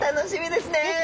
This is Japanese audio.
ですね。